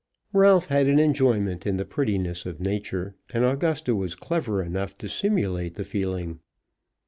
Ralph had an enjoyment in the prettiness of nature, and Augusta was clever enough to simulate the feeling.